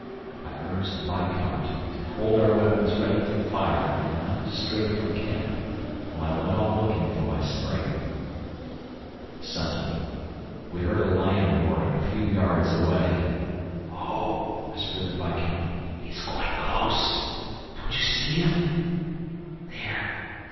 I urged the viscount to hold our weapons ready to fire and not to stray from camp, while I went on looking for my spring. Suddenly, we heard a lion roaring a few yards away. "Oh," whispered the viscount, "he is quite close! ... Don't you see him? ... There